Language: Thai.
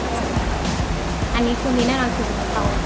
ใครใส่เวลาทุกอย่าง